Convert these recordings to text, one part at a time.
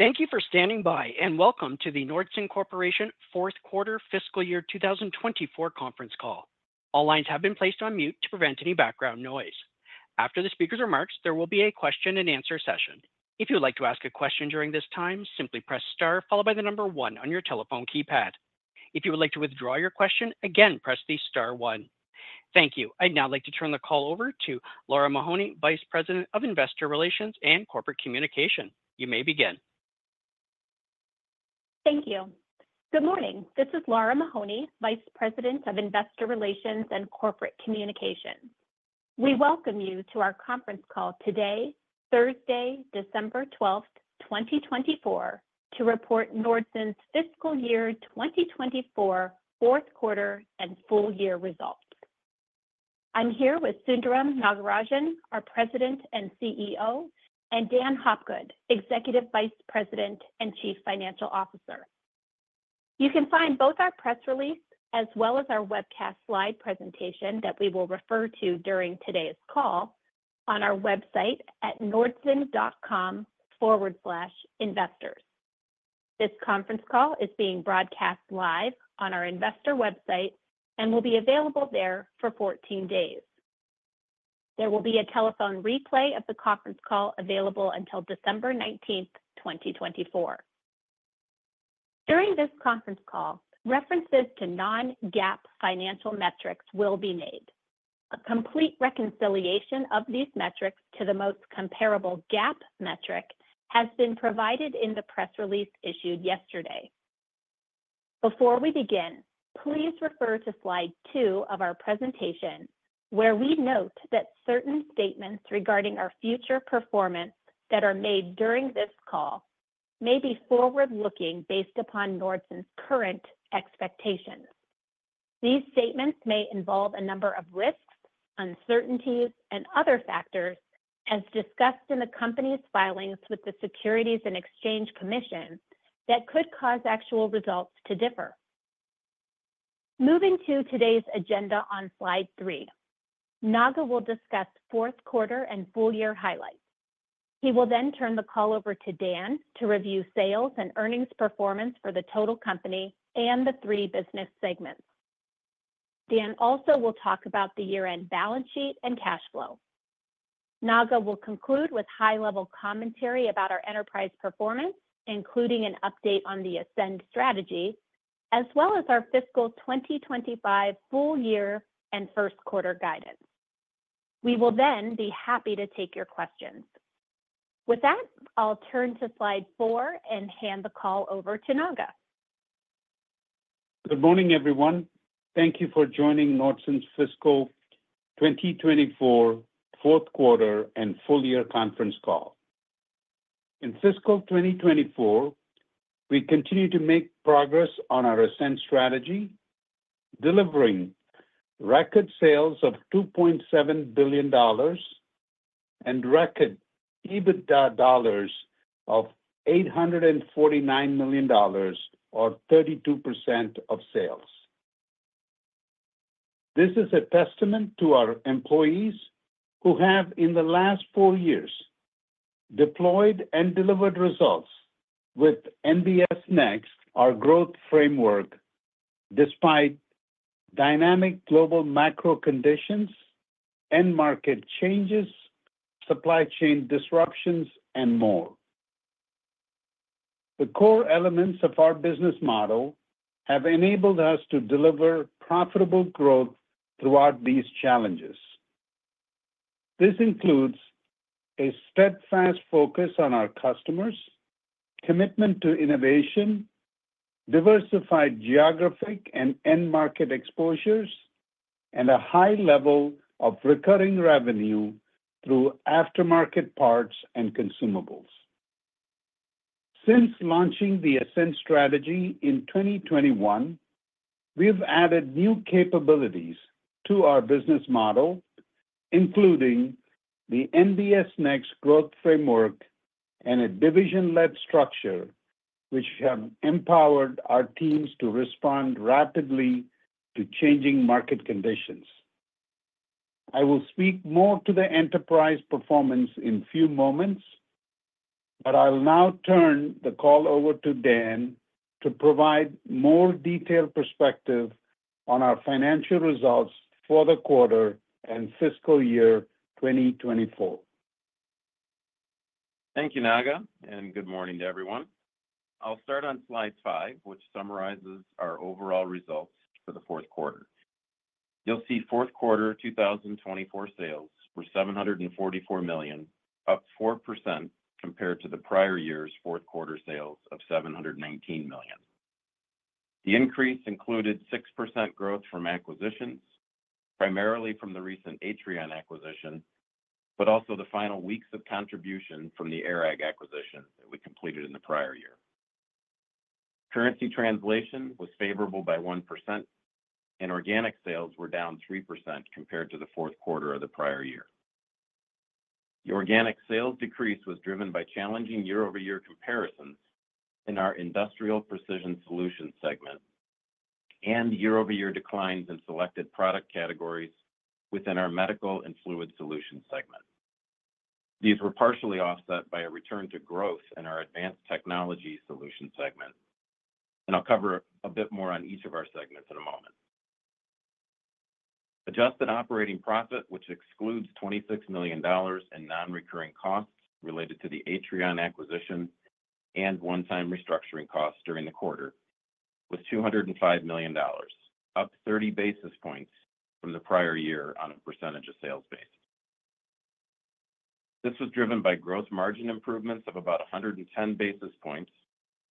Thank you for standing by, and welcome to the Nordson Corporation Fourth Quarter Fiscal Year 2024 conference call. All lines have been placed on mute to prevent any background noise. After the speakers are marked, there will be a question-and-answer session. If you would like to ask a question during this time, simply press Star, followed by the number one on your telephone keypad. If you would like to withdraw your question, again, press the Star one. Thank you. I'd now like to turn the call over to Lara Mahoney, Vice President of Investor Relations and Corporate Communications. You may begin. Thank you. Good morning. This is Lara Mahoney, Vice President of Investor Relations and Corporate Communications. We welcome you to our conference call today, Thursday, December 12th, 2024, to report Nordson's Fiscal Year 2024 Fourth Quarter and Full Year results. I'm here with Sundaram Nagarajan, our President and CEO, and Dan Hopgood, Executive Vice President and Chief Financial Officer. You can find both our press release as well as our webcast slide presentation that we will refer to during today's call on our website at nordson.com/investors. This conference call is being broadcast live on our investor website and will be available there for 14 days. There will be a telephone replay of the conference call available until December 19th, 2024. During this conference call, references to non-GAAP financial metrics will be made. A complete reconciliation of these metrics to the most comparable GAAP metric has been provided in the press release issued yesterday. Before we begin, please refer to slide two of our presentation, where we note that certain statements regarding our future performance that are made during this call may be forward-looking based upon Nordson's current expectations. These statements may involve a number of risks, uncertainties, and other factors, as discussed in the company's filings with the Securities and Exchange Commission, that could cause actual results to differ. Moving to today's agenda on slide three, Naga will discuss fourth quarter and full year highlights. He will then turn the call over to Dan to review sales and earnings performance for the total company and the three business segments. Dan also will talk about the year-end balance sheet and cash flow. Naga will conclude with high-level commentary about our enterprise performance, including an update on the Ascend Strategy, as well as our fiscal 2025 full year and first quarter guidance. We will then be happy to take your questions. With that, I'll turn to slide four and hand the call over to Naga. Good morning, everyone. Thank you for joining Nordson's Fiscal 2024 Fourth Quarter and Full Year conference call. In Fiscal 2024, we continue to make progress on our Ascend Strategy, delivering record sales of $2.7 billion and record EBITDA of $849 million, or 32% of sales. This is a testament to our employees who have, in the last four years, deployed and delivered results with NBS Next, our growth framework, despite dynamic global macro conditions and market changes, supply chain disruptions, and more. The core elements of our business model have enabled us to deliver profitable growth throughout these challenges. This includes a steadfast focus on our customers, commitment to innovation, diversified geographic and end market exposures, and a high level of recurring revenue through aftermarket parts and consumables. Since launching the Ascend Strategy in 2021, we've added new capabilities to our business model, including the NBS Next Growth Framework and a division-led structure, which have empowered our teams to respond rapidly to changing market conditions. I will speak more to the enterprise performance in a few moments, but I'll now turn the call over to Dan to provide more detailed perspective on our financial results for the quarter and fiscal year 2024. Thank you, Naga, and good morning to everyone. I'll start on slide five, which summarizes our overall results for the fourth quarter. You'll see fourth quarter 2024 sales were $744 million, up 4% compared to the prior year's fourth quarter sales of $719 million. The increase included 6% growth from acquisitions, primarily from the recent Atrion acquisition, but also the final weeks of contribution from the ARAG acquisition that we completed in the prior year. Currency translation was favorable by 1%, and organic sales were down 3% compared to the fourth quarter of the prior year. The organic sales decrease was driven by challenging year-over-year comparisons in our Industrial Precision Solutions segment and year-over-year declines in selected product categories within our Medical and Fluid Solutions segment. These were partially offset by a return to growth in our advanced technology solution segment, and I'll cover a bit more on each of our segments in a moment. Adjusted operating profit, which excludes $26 million in non-recurring costs related to the Atrion acquisition and one-time restructuring costs during the quarter, was $205 million, up 30 basis points from the prior year on a percentage of sales base. This was driven by gross margin improvements of about 110 basis points,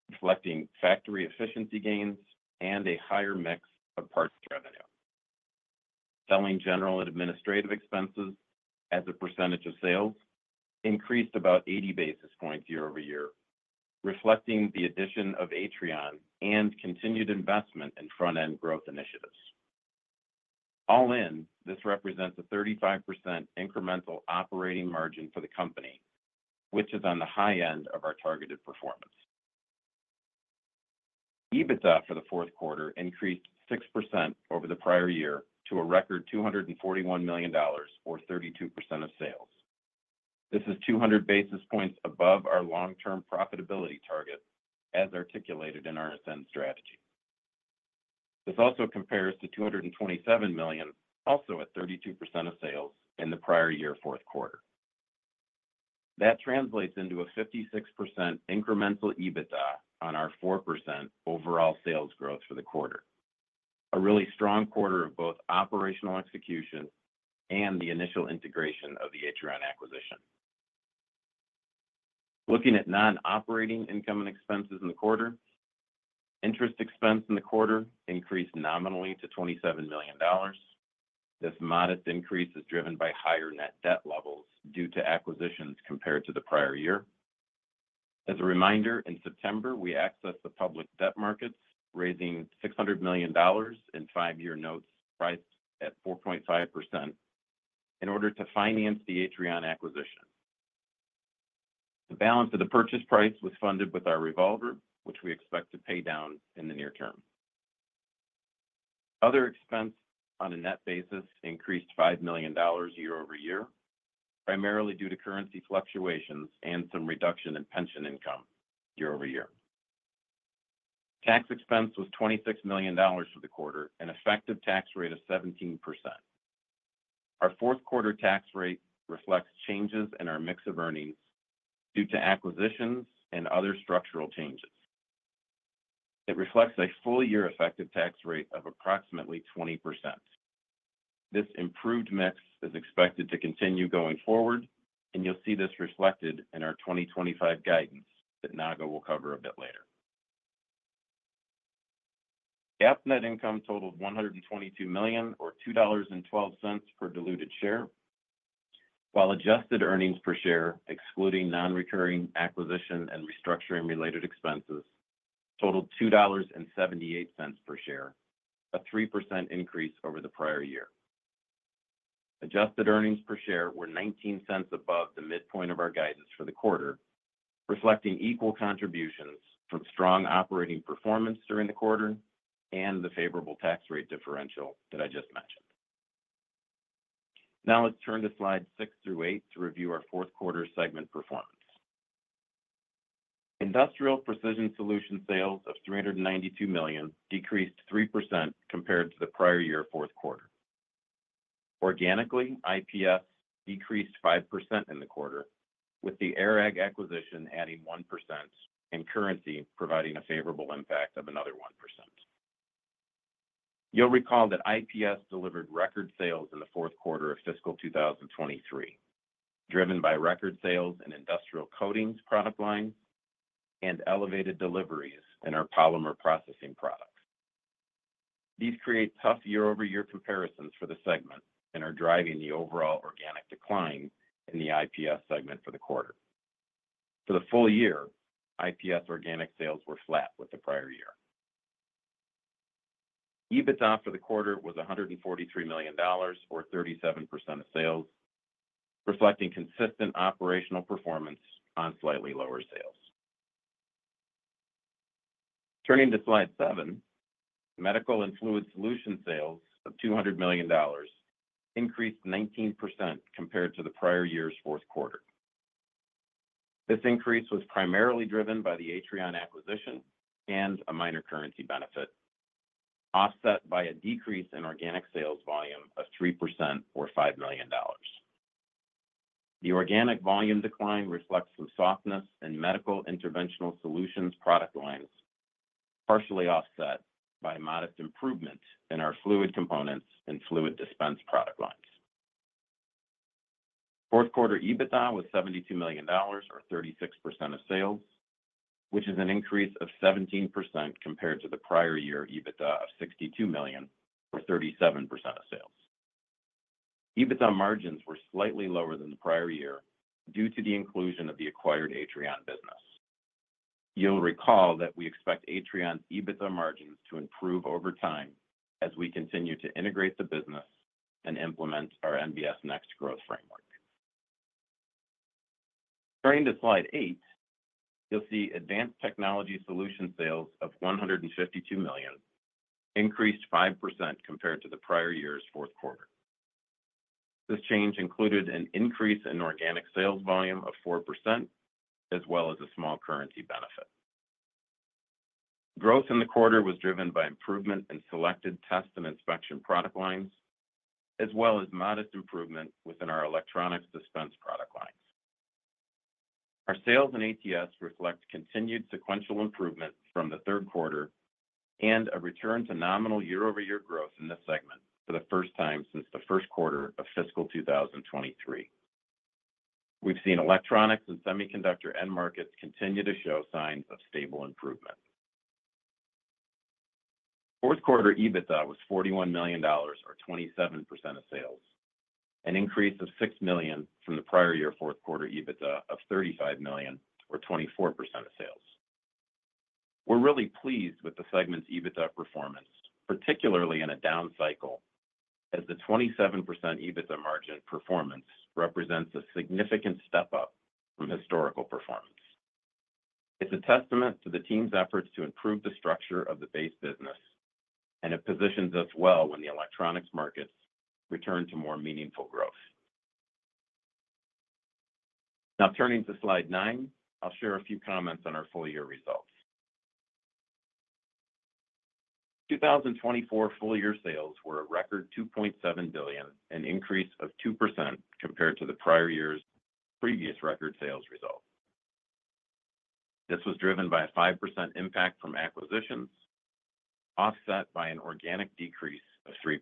reflecting factory efficiency gains and a higher mix of parts revenue. Selling, general and administrative expenses as a percentage of sales increased about 80 basis points year-over-year, reflecting the addition of Atrion and continued investment in front-end growth initiatives. All in, this represents a 35% incremental operating margin for the company, which is on the high end of our targeted performance. EBITDA for the fourth quarter increased 6% over the prior year to a record $241 million, or 32% of sales. This is 200 basis points above our long-term profitability target, as articulated in our Ascend Strategy. This also compares to $227 million, also at 32% of sales, in the prior year fourth quarter. That translates into a 56% incremental EBITDA on our 4% overall sales growth for the quarter, a really strong quarter of both operational execution and the initial integration of the Atrion acquisition. Looking at non-operating income and expenses in the quarter, interest expense in the quarter increased nominally to $27 million. This modest increase is driven by higher net debt levels due to acquisitions compared to the prior year. As a reminder, in September, we accessed the public debt markets, raising $600 million in five-year notes priced at 4.5% in order to finance the Atrion acquisition. The balance of the purchase price was funded with our revolver, which we expect to pay down in the near term. Other expense on a net basis increased $5 million year-over-year, primarily due to currency fluctuations and some reduction in pension income year-over-year. Tax expense was $26 million for the quarter, an effective tax rate of 17%. Our fourth quarter tax rate reflects changes in our mix of earnings due to acquisitions and other structural changes. It reflects a full year effective tax rate of approximately 20%. This improved mix is expected to continue going forward, and you'll see this reflected in our 2025 guidance that Naga will cover a bit later. GAAP net income totaled $122 million, or $2.12 per diluted share, while adjusted earnings per share, excluding non-recurring acquisition and restructuring-related expenses, totaled $2.78 per share, a 3% increase over the prior year. Adjusted earnings per share were $0.19 above the midpoint of our guidance for the quarter, reflecting equal contributions from strong operating performance during the quarter and the favorable tax rate differential that I just mentioned. Now let's turn to slides six through eight to review our fourth quarter segment performance. Industrial Precision Solutions sales of $392 million decreased 3% compared to the prior year fourth quarter. Organically, IPS decreased 5% in the quarter, with the ARAG acquisition adding 1% and currency providing a favorable impact of another 1%. You'll recall that IPS delivered record sales in the fourth quarter of fiscal 2023, driven by record sales in industrial coatings product lines and elevated deliveries in our polymer processing products. These create tough year-over-year comparisons for the segment and are driving the overall organic decline in the IPS segment for the quarter. For the full year, IPS organic sales were flat with the prior year. EBITDA for the quarter was $143 million, or 37% of sales, reflecting consistent operational performance on slightly lower sales. Turning to slide seven, Medical and Fluid Solutions sales of $200 million increased 19% compared to the prior year's fourth quarter. This increase was primarily driven by the Atrion acquisition and a minor currency benefit, offset by a decrease in organic sales volume of 3%, or $5 million. The organic volume decline reflects some softness in medical interventional solutions product lines, partially offset by modest improvement in our fluid components and fluid dispense product lines. Fourth quarter EBITDA was $72 million, or 36% of sales, which is an increase of 17% compared to the prior year EBITDA of $62 million, or 37% of sales. EBITDA margins were slightly lower than the prior year due to the inclusion of the acquired Atrion business. You'll recall that we expect Atrion's EBITDA margins to improve over time as we continue to integrate the business and implement our NBS Next Growth Framework. Turning to slide eight, you'll see Advanced Technology Solutions sales of $152 million increased 5% compared to the prior year's fourth quarter. This change included an increase in organic sales volume of 4%, as well as a small currency benefit. Growth in the quarter was driven by improvement in selected test and inspection product lines, as well as modest improvement within our electronics dispense product lines. Our sales in ATS reflect continued sequential improvement from the third quarter and a return to nominal year-over-year growth in this segment for the first time since the first quarter of fiscal 2023. We've seen electronics and semiconductor end markets continue to show signs of stable improvement. Fourth quarter EBITDA was $41 million, or 27% of sales, an increase of $6 million from the prior year fourth quarter EBITDA of $35 million, or 24% of sales. We're really pleased with the segment's EBITDA performance, particularly in a down cycle, as the 27% EBITDA margin performance represents a significant step up from historical performance. It's a testament to the team's efforts to improve the structure of the base business, and it positions us well when the electronics markets return to more meaningful growth. Now, turning to slide nine, I'll share a few comments on our full year results. 2024 full year sales were a record $2.7 billion, an increase of 2% compared to the prior year's previous record sales result. This was driven by a 5% impact from acquisitions, offset by an organic decrease of 3%.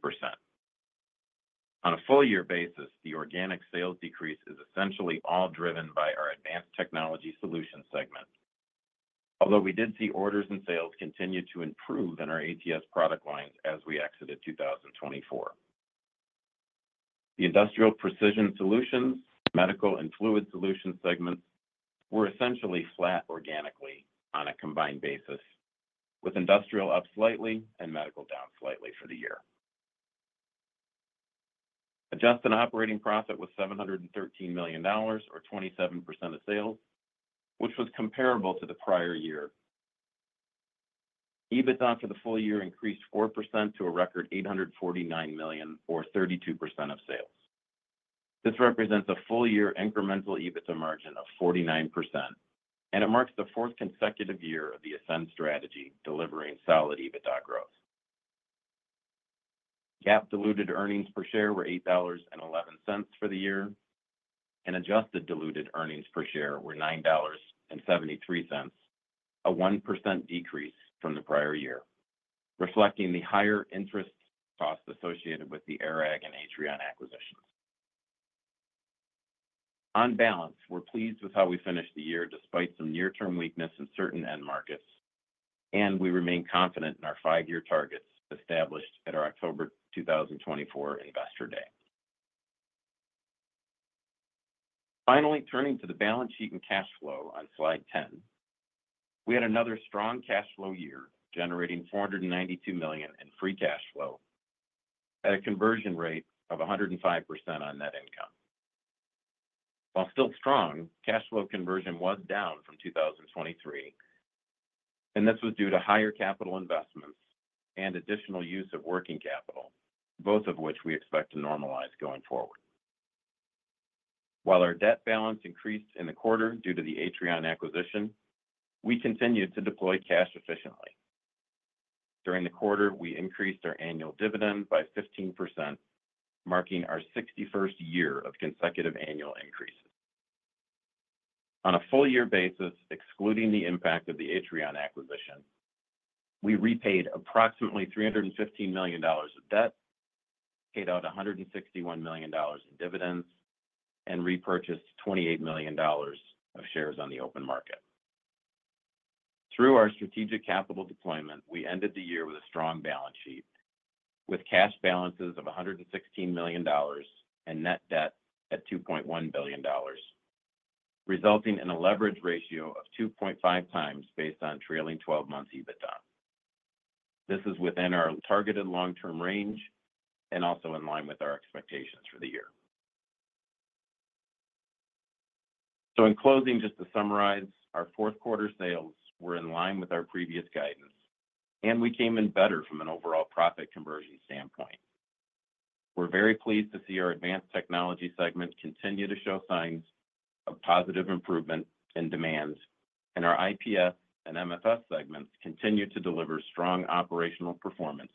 On a full year basis, the organic sales decrease is essentially all driven by our Advanced Technology Solutions segment, although we did see orders and sales continue to improve in our ATS product lines as we exited 2024. The Industrial Precision Solutions, Medical and Fluid Solutions segments were essentially flat organically on a combined basis, with industrial up slightly and medical down slightly for the year. Adjusted operating profit was $713 million, or 27% of sales, which was comparable to the prior year. EBITDA for the full year increased 4% to a record $849 million, or 32% of sales. This represents a full year incremental EBITDA margin of 49%, and it marks the fourth consecutive year of the Ascend Strategy delivering solid EBITDA growth. GAAP diluted earnings per share were $8.11 for the year, and adjusted diluted earnings per share were $9.73, a 1% decrease from the prior year, reflecting the higher interest cost associated with the ARAG and Atrion acquisitions. On balance, we're pleased with how we finished the year despite some near-term weakness in certain end markets, and we remain confident in our five-year targets established at our October 2024 Investor Day. Finally, turning to the balance sheet and cash flow on slide 10, we had another strong cash flow year generating $492 million in free cash flow at a conversion rate of 105% on net income. While still strong, cash flow conversion was down from 2023, and this was due to higher capital investments and additional use of working capital, both of which we expect to normalize going forward. While our debt balance increased in the quarter due to the Atrion acquisition, we continued to deploy cash efficiently. During the quarter, we increased our annual dividend by 15%, marking our 61st year of consecutive annual increases. On a full year basis, excluding the impact of the Atrion acquisition, we repaid approximately $315 million of debt, paid out $161 million in dividends, and repurchased $28 million of shares on the open market. Through our strategic capital deployment, we ended the year with a strong balance sheet, with cash balances of $116 million and net debt at $2.1 billion, resulting in a leverage ratio of 2.5x based on trailing 12 months EBITDA. This is within our targeted long-term range and also in line with our expectations for the year. So in closing, just to summarize, our fourth quarter sales were in line with our previous guidance, and we came in better from an overall profit conversion standpoint. We're very pleased to see our advanced technology segment continue to show signs of positive improvement in demand, and our IPS and MFS segments continue to deliver strong operational performance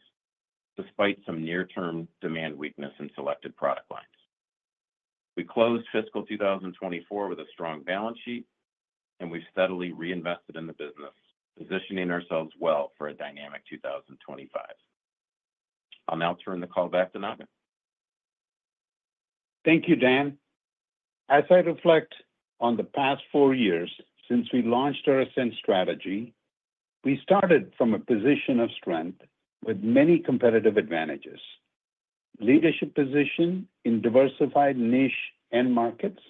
despite some near-term demand weakness in selected product lines. We closed fiscal 2024 with a strong balance sheet, and we've steadily reinvested in the business, positioning ourselves well for a dynamic 2025. I'll now turn the call back to Naga. Thank you, Dan. As I reflect on the past four years since we launched our Ascend Strategy, we started from a position of strength with many competitive advantages: leadership position in diversified niche end markets,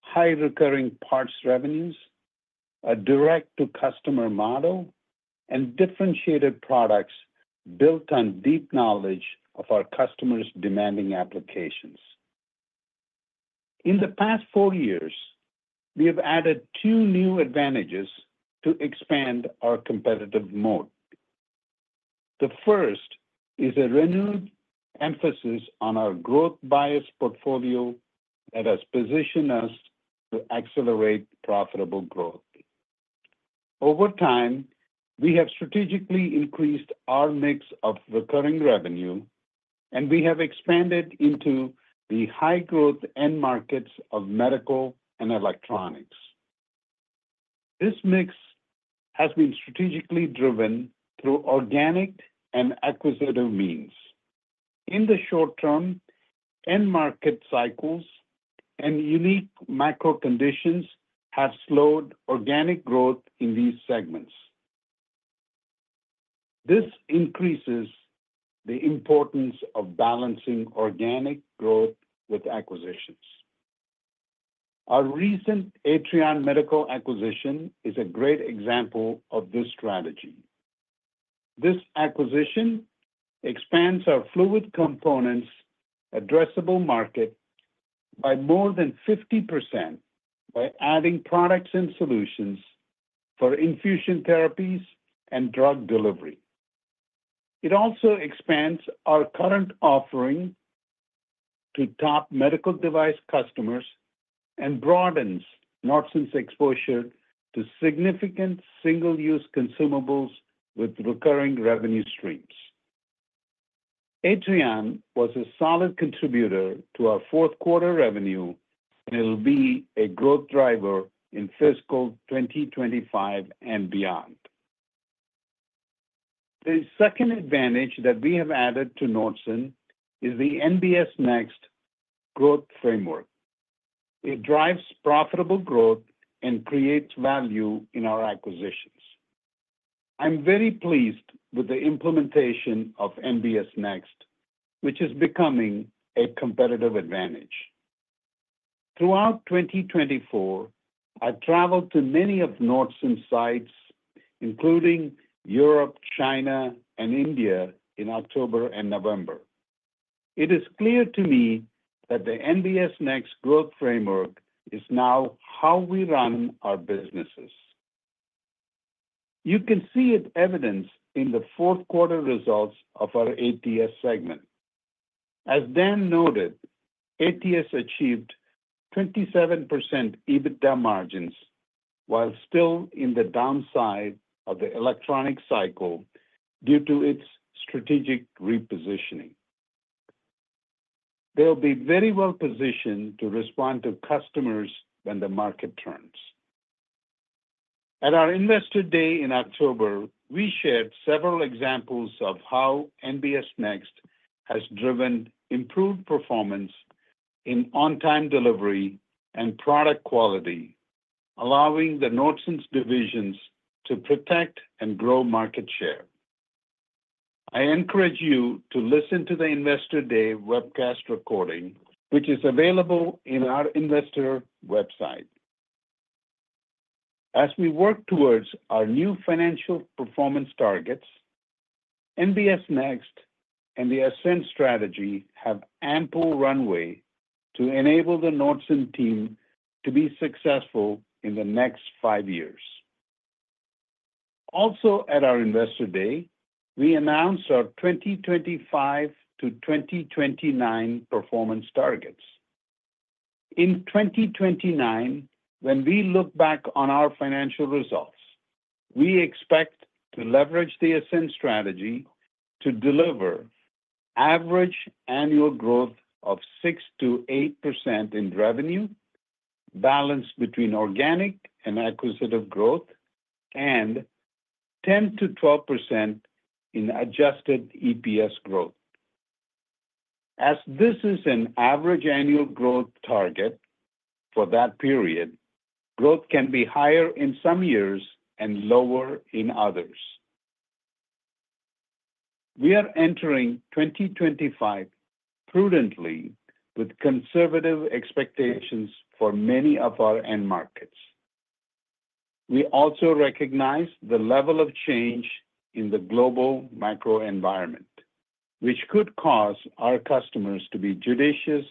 high recurring parts revenues, a direct-to-customer model, and differentiated products built on deep knowledge of our customers' demanding applications. In the past four years, we have added two new advantages to expand our competitive moat. The first is a renewed emphasis on our growth bias portfolio that has positioned us to accelerate profitable growth. Over time, we have strategically increased our mix of recurring revenue, and we have expanded into the high-growth end markets of medical and electronics. This mix has been strategically driven through organic and acquisitive means. In the short term, end market cycles and unique macro conditions have slowed organic growth in these segments. This increases the importance of balancing organic growth with acquisitions. Our recent Atrion medical acquisition is a great example of this strategy. This acquisition expands our fluid components addressable market by more than 50% by adding products and solutions for infusion therapies and drug delivery. It also expands our current offering to top medical device customers and broadens Nordson exposure to significant single-use consumables with recurring revenue streams. Atrion was a solid contributor to our fourth quarter revenue and will be a growth driver in fiscal 2025 and beyond. The second advantage that we have added to Nordson is the NBS Next Growth Framework. It drives profitable growth and creates value in our acquisitions. I'm very pleased with the implementation of NBS Next, which is becoming a competitive advantage. Throughout 2024, I traveled to many of Nordson's sites, including Europe, China, and India, in October and November. It is clear to me that the NBS Next Growth Framework is now how we run our businesses. You can see it evidenced in the fourth quarter results of our ATS segment. As Dan noted, ATS achieved 27% EBITDA margins while still in the downside of the electronics cycle due to its strategic repositioning. They'll be very well positioned to respond to customers when the market turns. At our Investor Day in October, we shared several examples of how NBS Next has driven improved performance in on-time delivery and product quality, allowing Nordson's divisions to protect and grow market share. I encourage you to listen to the Investor Day webcast recording, which is available on our investor website. As we work towards our new financial performance targets, NBS Next and the Ascend Strategy have ample runway to enable the Nordson team to be successful in the next five years. Also, at our Investor Day, we announced our 2025 to 2029 performance targets. In 2029, when we look back on our financial results, we expect to leverage the Ascend Strategy to deliver average annual growth of 6%-8% in revenue, balanced between organic and acquisitive growth, and 10%-12% in adjusted EPS growth. As this is an average annual growth target for that period, growth can be higher in some years and lower in others. We are entering 2025 prudently with conservative expectations for many of our end markets. We also recognize the level of change in the global macro environment, which could cause our customers to be judicious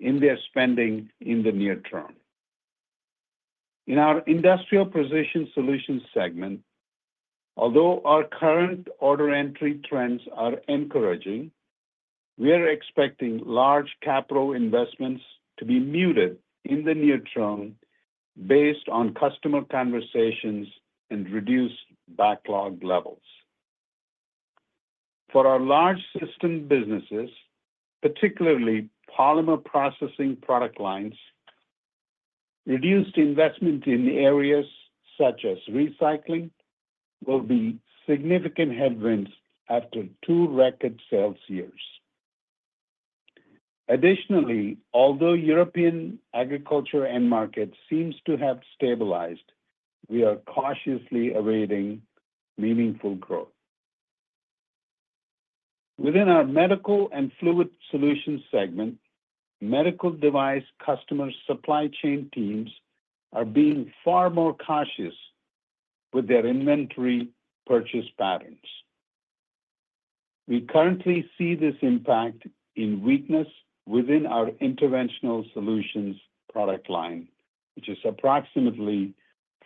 in their spending in the near term. In our Industrial Precision Solutions segment, although our current order entry trends are encouraging, we are expecting large capital investments to be muted in the near term based on customer conversations and reduced backlog levels. For our large system businesses, particularly polymer processing product lines, reduced investment in areas such as recycling will be significant headwinds after two record sales years. Additionally, although European agriculture end market seems to have stabilized, we are cautiously awaiting meaningful growth. Within our medical and fluid solutions segment, medical device customer supply chain teams are being far more cautious with their inventory purchase patterns. We currently see this impact in weakness within our interventional solutions product line, which is approximately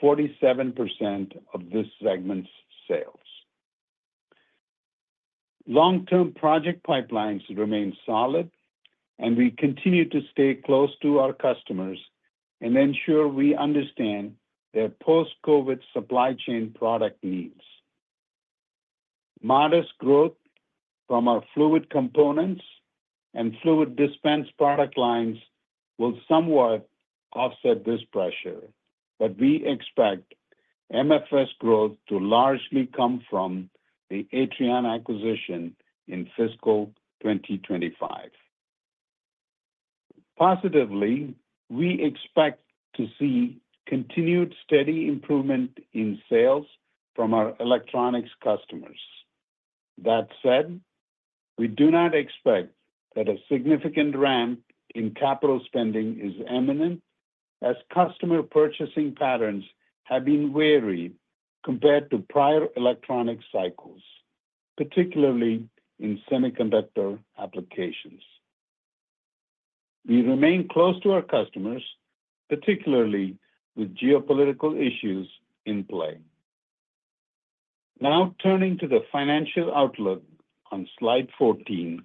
47% of this segment's sales. Long-term project pipelines remain solid, and we continue to stay close to our customers and ensure we understand their post-COVID supply chain product needs. Modest growth from our fluid components and fluid dispense product lines will somewhat offset this pressure, but we expect MFS growth to largely come from the Atrion acquisition in fiscal 2025. Positively, we expect to see continued steady improvement in sales from our electronics customers. That said, we do not expect that a significant ramp in capital spending is imminent as customer purchasing patterns have been wary compared to prior electronics cycles, particularly in semiconductor applications. We remain close to our customers, particularly with geopolitical issues in play. Now turning to the financial outlook on slide 14,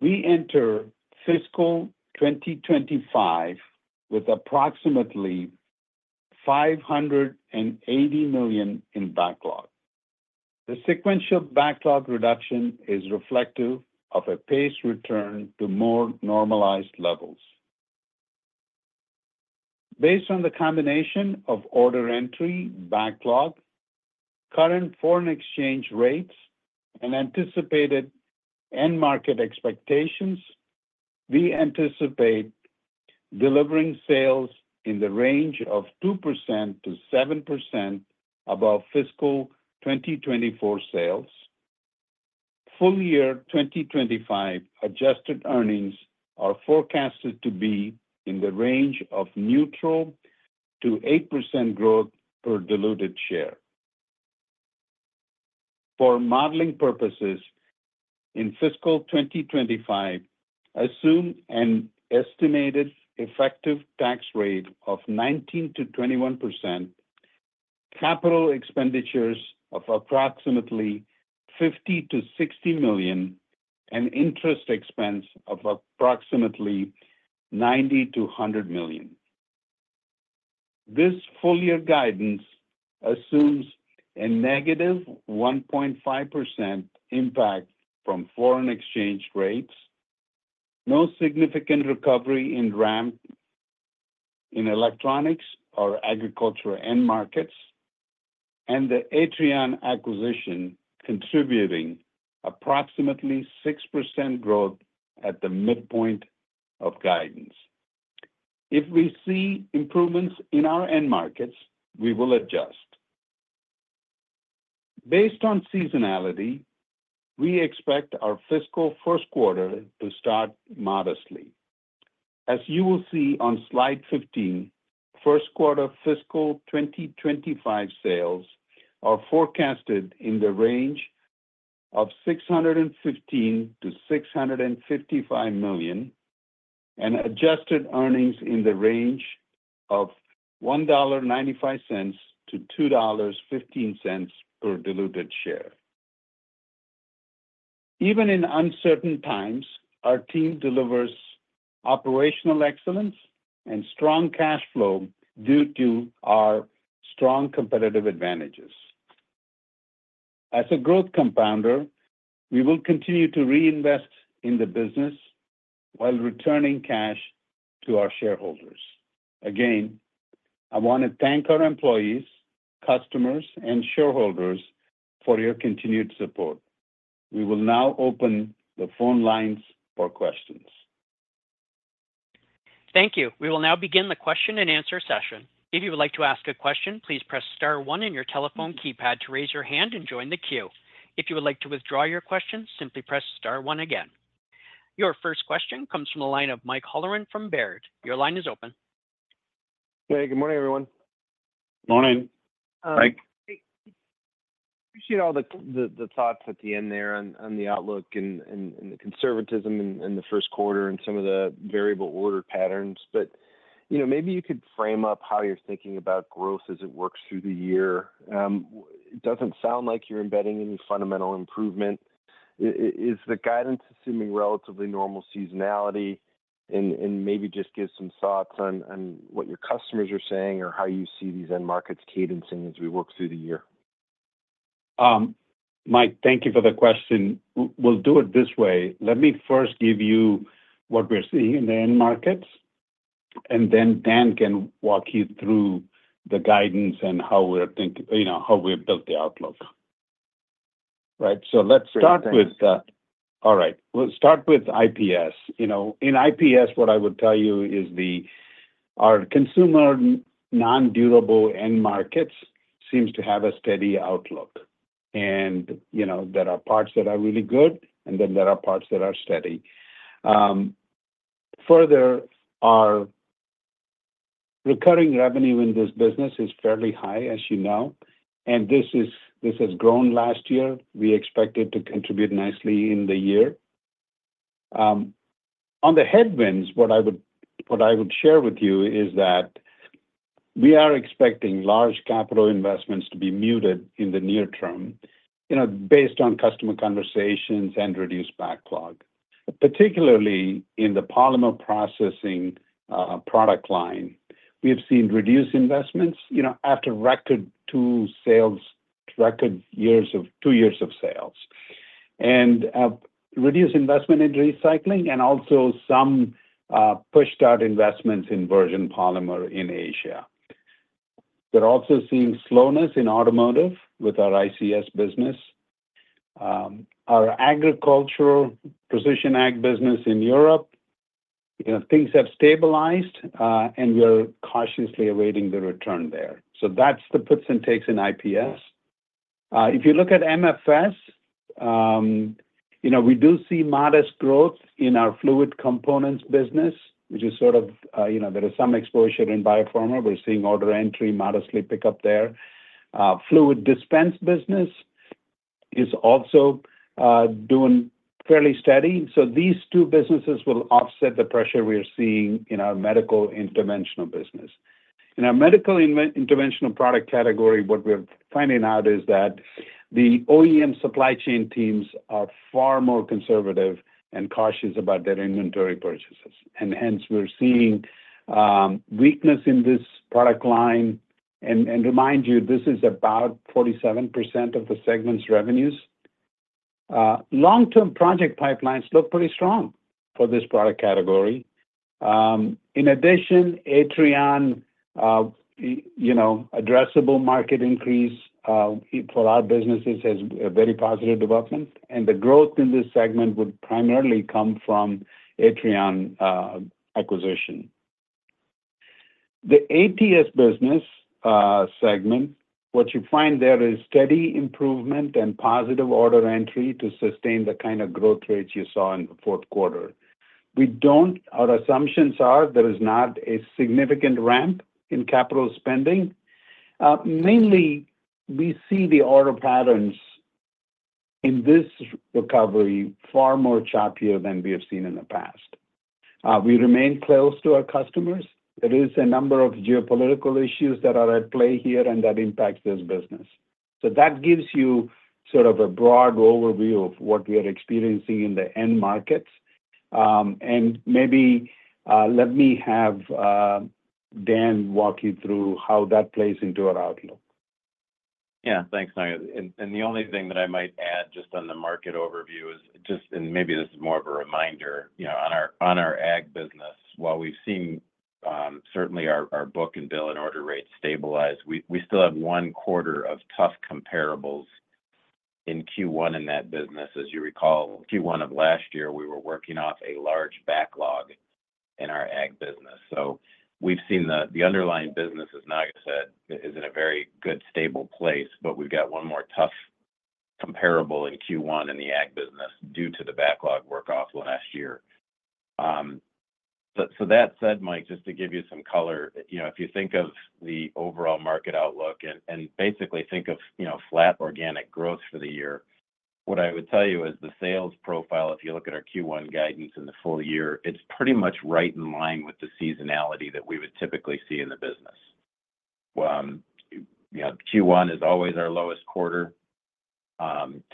we enter fiscal 2025 with approximately $580 million in backlog. The sequential backlog reduction is reflective of a paced return to more normalized levels. Based on the combination of order entry, backlog, current foreign exchange rates, and anticipated end market expectations, we anticipate delivering sales in the range of 2%-7% above fiscal 2024 sales. Full year 2025 adjusted earnings are forecasted to be in the range of neutral to 8% growth per diluted share. For modeling purposes, in fiscal 2025, assume an estimated effective tax rate of 19%-21%, capital expenditures of approximately $50 million-$60 million, and interest expense of approximately $90 million-$100 million. This full year guidance assumes a -1.5% impact from foreign exchange rates, no significant recovery in ramp in electronics or agriculture end markets, and the Atrion acquisition contributing approximately 6% growth at the midpoint of guidance. If we see improvements in our end markets, we will adjust. Based on seasonality, we expect our fiscal first quarter to start modestly. As you will see on slide 15, first quarter fiscal 2025 sales are forecasted in the range of $615 million-$655 million and adjusted earnings in the range of $1.95-$2.15 per diluted share. Even in uncertain times, our team delivers operational excellence and strong cash flow due to our strong competitive advantages. As a growth compounder, we will continue to reinvest in the business while returning cash to our shareholders. Again, I want to thank our employees, customers, and shareholders for your continued support. We will now open the phone lines for questions. Thank you. We will now begin the question and answer session. If you would like to ask a question, please press star one in your telephone keypad to raise your hand and join the queue. If you would like to withdraw your question, simply press star one again. Your first question comes from the line of Mike Halloran from Baird. Your line is open. Hey, good morning, everyone. Morning. Mike. Appreciate all the thoughts at the end there on the outlook and the conservatism in the first quarter and some of the variable order patterns. But maybe you could frame up how you're thinking about growth as it works through the year. It doesn't sound like you're embedding any fundamental improvement. Is the guidance assuming relatively normal seasonality and maybe just give some thoughts on what your customers are saying or how you see these end markets cadencing as we work through the year? Mike, thank you for the question. We'll do it this way. Let me first give you what we're seeing in the end markets, and then Dan can walk you through the guidance and how we've built the outlook. Right? So let's start with that. All right. We'll start with IPS. In IPS, what I would tell you is our consumer non-durable end markets seems to have a steady outlook, and there are parts that are really good, and then there are parts that are steady. Further, our recurring revenue in this business is fairly high, as you know, and this has grown last year. We expect it to contribute nicely in the year. On the headwinds, what I would share with you is that we are expecting large capital investments to be muted in the near term based on customer conversations and reduced backlog, particularly in the polymer processing product line. We have seen reduced investments after record two sales record years of two years of sales, and reduced investment in recycling and also some pushed-out investments in virgin polymer in Asia. We're also seeing slowness in automotive with our ICS business. Our agricultural, Precision Agriculture business in Europe, things have stabilized, and we're cautiously awaiting the return there, so that's the puts and takes in IPS. If you look at MFS, we do see modest growth in our fluid components business, which is sort of there is some exposure in biopharma. We're seeing order entry modestly pick up there. Fluid dispense business is also doing fairly steady, so these two businesses will offset the pressure we're seeing in our medical interventional business. In our medical interventional product category, what we're finding out is that the OEM supply chain teams are far more conservative and cautious about their inventory purchases, and hence, we're seeing weakness in this product line, and remind you, this is about 47% of the segment's revenues. Long-term project pipelines look pretty strong for this product category. In addition, Atrion addressable market increase for our businesses has a very positive development, and the growth in this segment would primarily come from Atrion acquisition. The ATS business segment, what you find there is steady improvement and positive order entry to sustain the kind of growth rates you saw in the fourth quarter. Our assumptions are there is not a significant ramp in capital spending. Mainly, we see the order patterns in this recovery far more choppier than we have seen in the past. We remain close to our customers. There is a number of geopolitical issues that are at play here and that impact this business, so that gives you sort of a broad overview of what we are experiencing in the end markets, and maybe let me have Dan walk you through how that plays into our outlook. Yeah. Thanks, Naga. The only thing that I might add just on the market overview is just, and maybe this is more of a reminder, on our ag business, while we've seen certainly our book and bill and order rates stabilize, we still have one quarter of tough comparables in Q1 in that business. As you recall, Q1 of last year, we were working off a large backlog in our ag business. So we've seen the underlying business, as Naga said, is in a very good stable place, but we've got one more tough comparable in Q1 in the ag business due to the backlog work off last year. So that said, Mike, just to give you some color, if you think of the overall market outlook and basically think of flat organic growth for the year, what I would tell you is the sales profile, if you look at our Q1 guidance in the full year, it's pretty much right in line with the seasonality that we would typically see in the business. Q1 is always our lowest quarter,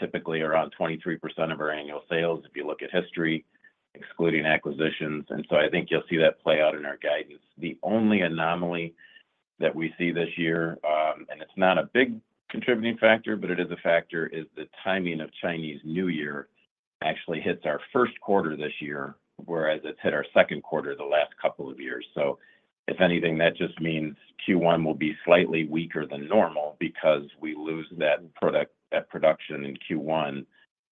typically around 23% of our annual sales if you look at history, excluding acquisitions. And so I think you'll see that play out in our guidance. The only anomaly that we see this year, and it's not a big contributing factor, but it is a factor, is the timing of Chinese New Year actually hits our first quarter this year, whereas it's hit our second quarter the last couple of years. So if anything, that just means Q1 will be slightly weaker than normal because we lose that production in Q1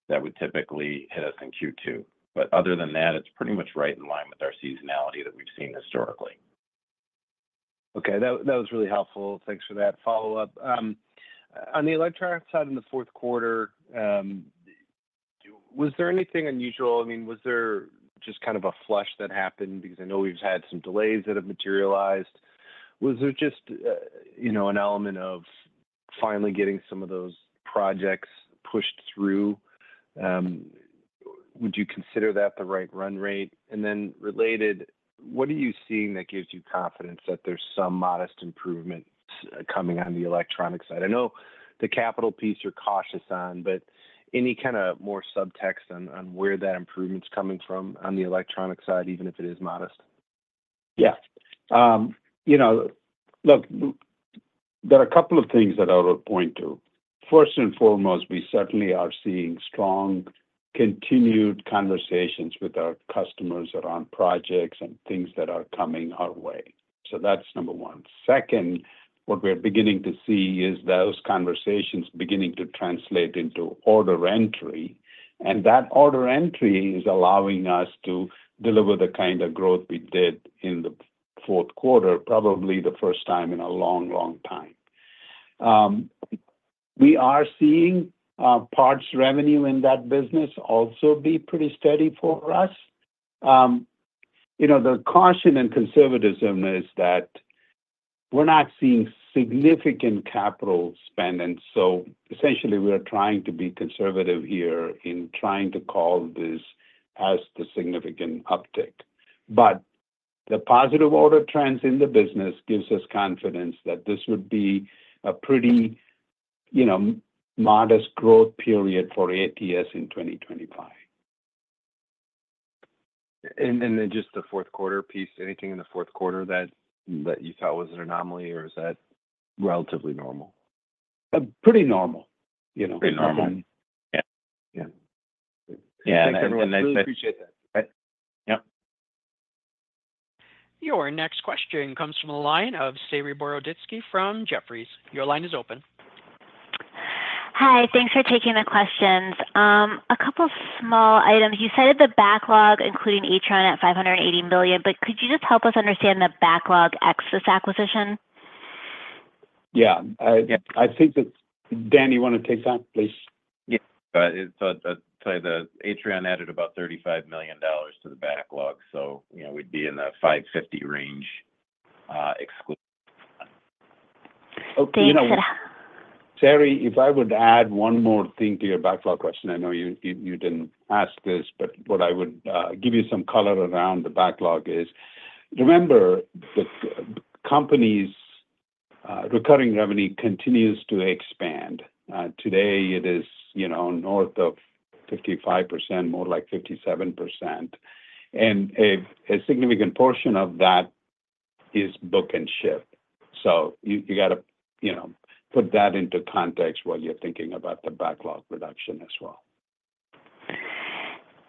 that would typically hit us in Q2. But other than that, it's pretty much right in line with our seasonality that we've seen historically. Okay. That was really helpful. Thanks for that follow-up. On the electronics side in the fourth quarter, was there anything unusual? I mean, was there just kind of a flush that happened because I know we've had some delays that have materialized? Was there just an element of finally getting some of those projects pushed through? Would you consider that the right run rate? And then related, what are you seeing that gives you confidence that there's some modest improvement coming on the electronic side? I know the capital piece you're cautious on, but any kind of more subtext on where that improvement's coming from on the electronic side, even if it is modest? Yeah. Look, there are a couple of things that I would point to. First and foremost, we certainly are seeing strong continued conversations with our customers around projects and things that are coming our way. So that's number one. Second, what we're beginning to see is those conversations beginning to translate into order entry. And that order entry is allowing us to deliver the kind of growth we did in the fourth quarter, probably the first time in a long, long time. We are seeing parts revenue in that business also be pretty steady for us. The caution and conservatism is that we're not seeing significant capital spend. And so essentially, we're trying to be conservative here in trying to call this as the significant uptick. But the positive order trends in the business gives us confidence that this would be a pretty modest growth period for ATS in 2025. And then just the fourth quarter piece, anything in the fourth quarter that you thought was an anomaly, or is that relatively normal? Pretty normal. Pretty normal. Yeah. Yeah. Thanks, everyone. I appreciate that. Yep. Your next question comes from the line of Saree Boroditsky from Jefferies. Your line is open. Hi. Thanks for taking the questions. A couple of small items. You cited the backlog, including Atrion at $580 million, but could you just help us understand the backlog ex this acquisition? Yeah. I think that Dan, you want to take that, please? Yeah. So I'd say that Atrion added about $35 million to the backlog. We'd be in the $550 million range exclusive. Okay. Saree, if I would add one more thing to your backlog question, I know you didn't ask this, but what I would give you some color around the backlog is, remember, the company's recurring revenue continues to expand. Today, it is north of 55%, more like 57%. And a significant portion of that is book and ship. So you got to put that into context while you're thinking about the backlog reduction as well.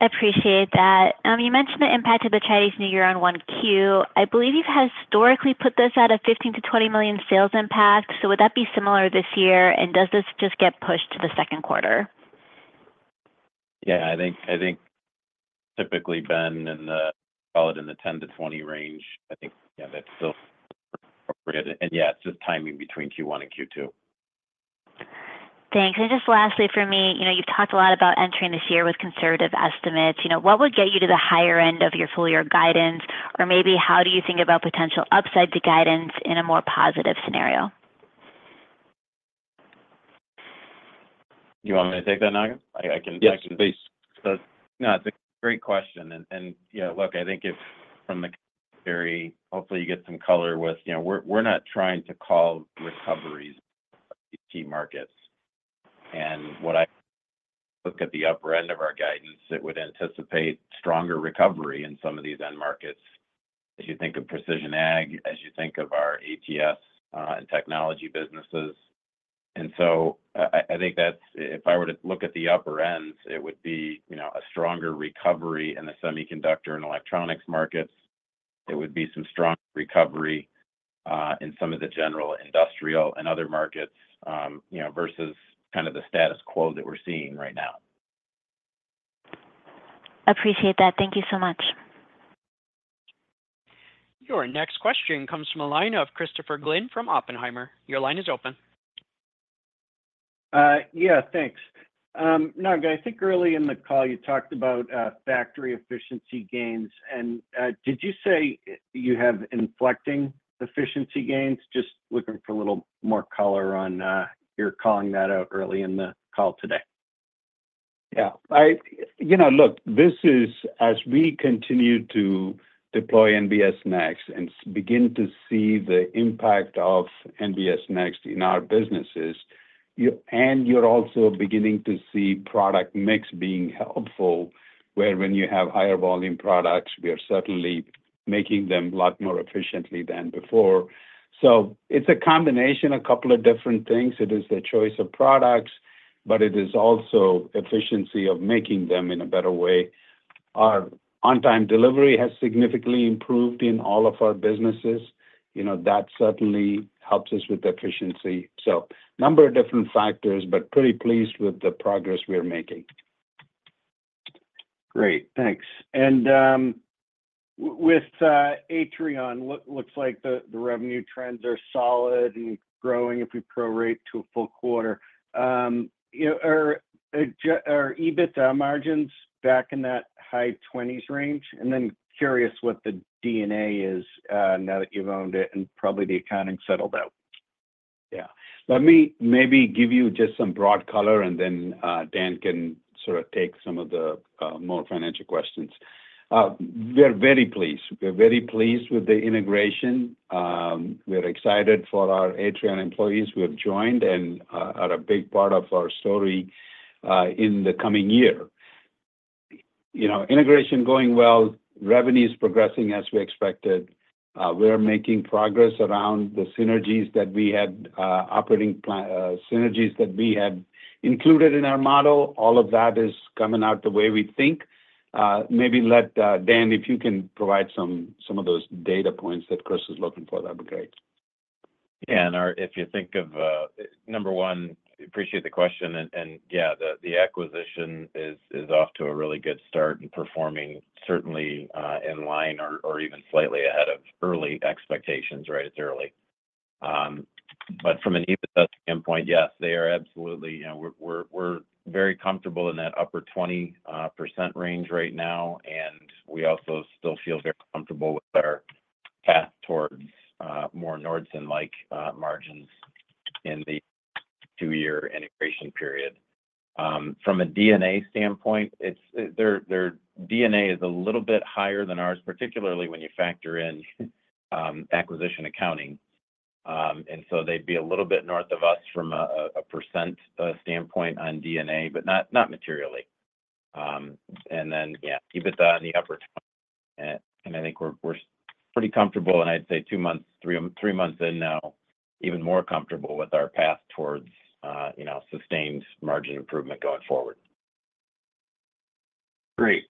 Appreciate that. You mentioned the impact of the Chinese New Year on Q1. I believe you've historically put this at a $15 million-$20 million sales impact. So would that be similar this year? And does this just get pushed to the second quarter? Yeah. I think typically been in the, call it in the $10 million-$20 million range. I think that's still appropriate. Yeah, it's just timing between Q1 and Q2. Thanks. Just lastly for me, you've talked a lot about entering this year with conservative estimates. What would get you to the higher end of your full-year guidance? Or maybe how do you think about potential upside to guidance in a more positive scenario? You want me to take that, Naga? I can speak. No, it's a great question. Look, I think, hopefully, you get some color. We're not trying to call recoveries in key markets. What I look at, the upper end of our guidance, it would anticipate stronger recovery in some of these end markets as you think of precision ag, as you think of our ATS and technology businesses. And so I think that if I were to look at the upper ends, it would be a stronger recovery in the semiconductor and electronics markets. It would be some strong recovery in some of the general industrial and other markets versus kind of the status quo that we're seeing right now. Appreciate that. Thank you so much. Your next question comes from a line of Christopher Glynn from Oppenheimer. Your line is open. Yeah. Thanks. Naga, I think early in the call, you talked about factory efficiency gains. And did you say you have inflecting efficiency gains? Just looking for a little more color on your calling that out early in the call today. Yeah. Look, this is as we continue to deploy NBS Next and begin to see the impact of NBS Next in our businesses. And you're also beginning to see product mix being helpful where when you have higher volume products, we are certainly making them a lot more efficiently than before. So it's a combination of a couple of different things. It is the choice of products, but it is also efficiency of making them in a better way. Our on-time delivery has significantly improved in all of our businesses. That certainly helps us with efficiency. So a number of different factors, but pretty pleased with the progress we're making. Great. Thanks. And with Atrion, looks like the revenue trends are solid and growing if we pro-rate to a full quarter. Are EBITDA margins back in that high 20s range? And then curious what the D&A is now that you've owned it and probably the accounting settled out. Yeah. Let me maybe give you just some broad color, and then Dan can sort of take some of the more financial questions. We're very pleased. We're very pleased with the integration. We're excited for our Atrion employees who have joined and are a big part of our story in the coming year. Integration going well, revenues progressing as we expected. We're making progress around the synergies that we had, operating synergies that we had included in our model. All of that is coming out the way we think. Maybe let Dan, if you can provide some of those data points that Chris is looking for, that'd be great. Yeah. And if you think of number one, appreciate the question. And yeah, the acquisition is off to a really good start and performing certainly in line or even slightly ahead of early expectations, right? It's early. But from an EBITDA standpoint, yes, they are. Absolutely, we're very comfortable in that upper 20% range right now. And we also still feel very comfortable with our path towards more Nordson-like margins in the two-year integration period. From a D&A standpoint, their D&A is a little bit higher than ours, particularly when you factor in acquisition accounting. And so they'd be a little bit north of us from a percent standpoint on D&A, but not materially. And then yeah, EBITDA in the upper 20%. And I think we're pretty comfortable, and I'd say two months, three months in now, even more comfortable with our path towards sustained margin improvement going forward. Great.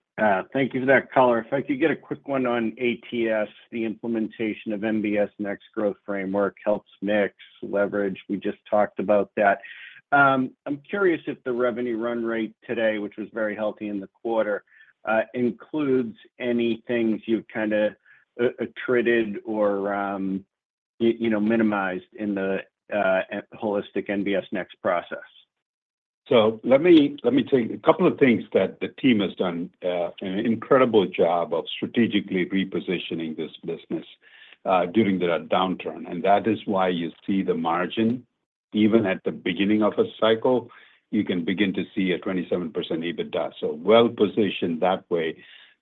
Thank you for that color. If I could get a quick one on ATS, the implementation of NBS Next Growth Framework helps mix, leverage. We just talked about that. I'm curious if the revenue run rate today, which was very healthy in the quarter, includes any things you've kind of treated or minimized in the holistic NBS Next process? So let me take a couple of things that the team has done. An incredible job of strategically repositioning this business during the downturn. And that is why you see the margin, even at the beginning of a cycle, you can begin to see a 27% EBITDA. So well-positioned that way.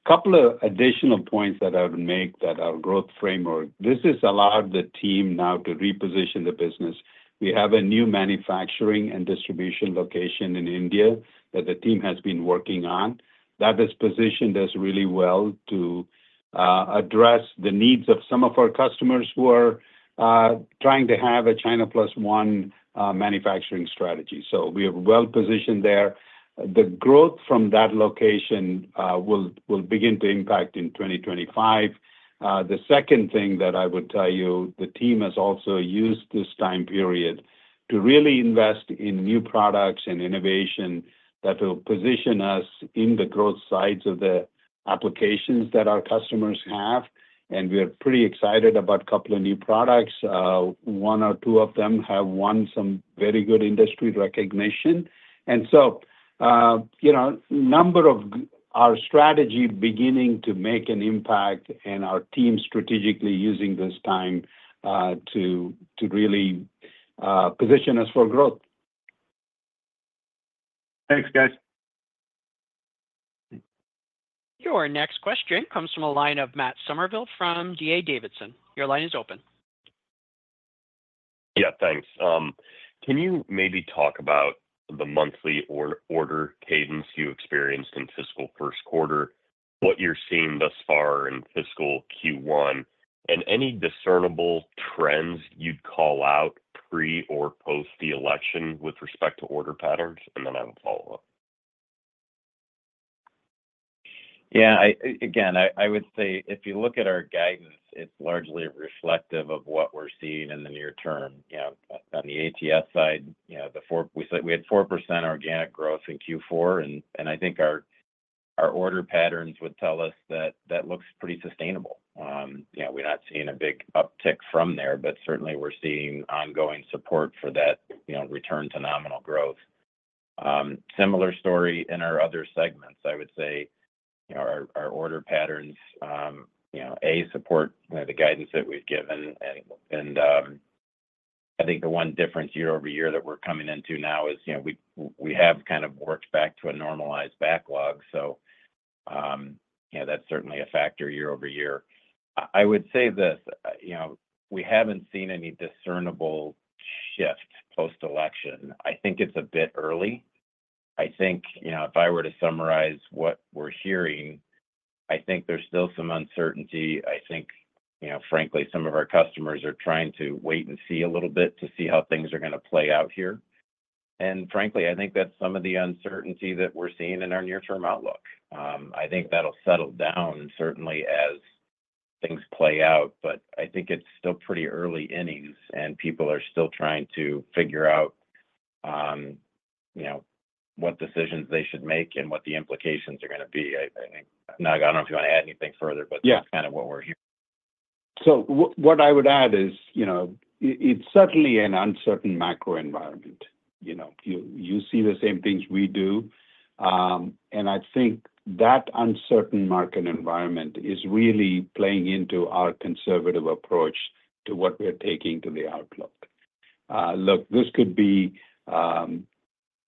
A couple of additional points that I would make that our growth framework, this has allowed the team now to reposition the business. We have a new manufacturing and distribution location in India that the team has been working on. That is positioned as really well to address the needs of some of our customers who are trying to have a China plus one manufacturing strategy. So we are well-positioned there. The growth from that location will begin to impact in 2025. The second thing that I would tell you, the team has also used this time period to really invest in new products and innovation that will position us in the growth sides of the applications that our customers have. And we are pretty excited about a couple of new products. One or two of them have won some very good industry recognition. And so a number of our strategy beginning to make an impact and our team strategically using this time to really position us for growth. Thanks, guys. Your next question comes from a line of Matt Summerville from D.A. Davidson. Your line is open. Yeah. Thanks. Can you maybe talk about the monthly order cadence you experienced in fiscal first quarter, what you're seeing thus far in fiscal Q1, and any discernible trends you'd call out pre or post the election with respect to order patterns? And then I will follow up. Yeah. Again, I would say if you look at our guidance, it's largely reflective of what we're seeing in the near term. On the ATS side, we had 4% organic growth in Q4. And I think our order patterns would tell us that that looks pretty sustainable. We're not seeing a big uptick from there, but certainly we're seeing ongoing support for that return to nominal growth. Similar story in our other segments. I would say our order patterns support the guidance that we've given. I think the one difference year-over-year that we're coming into now is we have kind of worked back to a normalized backlog. So that's certainly a factor year-over-year. I would say this. We haven't seen any discernible shift post-election. I think it's a bit early. I think if I were to summarize what we're hearing, I think there's still some uncertainty. I think, frankly, some of our customers are trying to wait and see a little bit to see how things are going to play out here. And frankly, I think that's some of the uncertainty that we're seeing in our near-term outlook. I think that'll settle down certainly as things play out. But I think it's still pretty early innings, and people are still trying to figure out what decisions they should make and what the implications are going to be. I think, Naga, I don't know if you want to add anything further, but that's kind of what we're hearing. So what I would add is it's certainly an uncertain macro environment. You see the same things we do. And I think that uncertain market environment is really playing into our conservative approach to what we're taking to the outlook. Look, this could be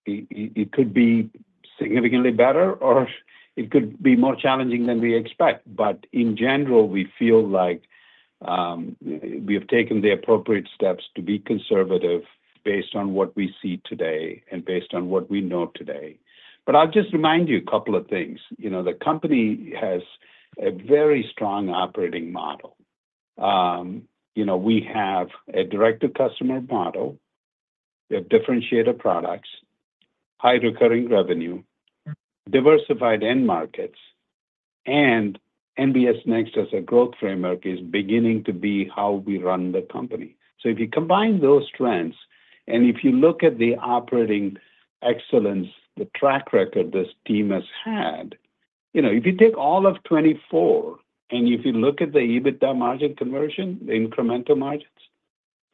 significantly better, or it could be more challenging than we expect. But in general, we feel like we have taken the appropriate steps to be conservative based on what we see today and based on what we know today. But I'll just remind you a couple of things. The company has a very strong operating model. We have a direct-to-customer model. We have differentiated products, high recurring revenue, diversified end markets. NBS Next as a growth framework is beginning to be how we run the company. So if you combine those trends, and if you look at the operating excellence, the track record this team has had, if you take all of 2024, and if you look at the EBITDA margin conversion, the incremental margins,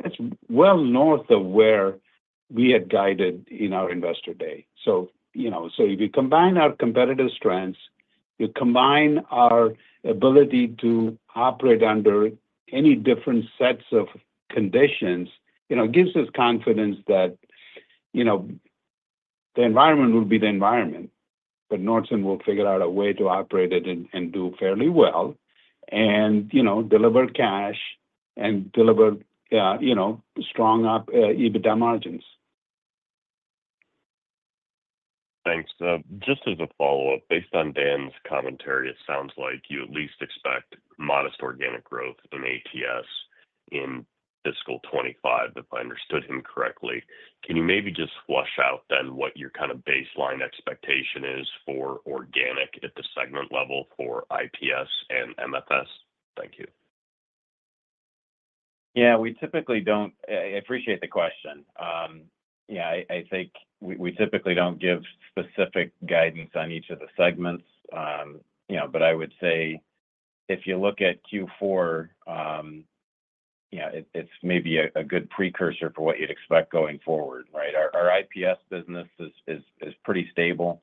that's well north of where we had guided in our Investor Day. So if you combine our competitive strengths, you combine our ability to operate under any different sets of conditions, it gives us confidence that the environment will be the environment, but Nordson will figure out a way to operate it and do fairly well and deliver cash and deliver strong EBITDA margins. Thanks. Just as a follow-up, based on Dan's commentary, it sounds like you at least expect modest organic growth in ATS in fiscal 2025, if I understood him correctly. Can you maybe just flesh out then what your kind of baseline expectation is for organic at the segment level for IPS and MFS? Thank you. Yeah. We typically don't anticipate the question. Yeah. I think we typically don't give specific guidance on each of the segments. But I would say if you look at Q4, it's maybe a good precursor for what you'd expect going forward, right? Our IPS business is pretty stable.